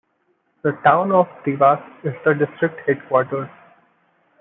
The town of Dewas is the district headquarters.